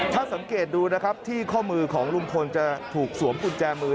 ถ้าสังเกตดูนะครับที่ข้อมือของลุงพลจะถูกสวมกุญแจมือ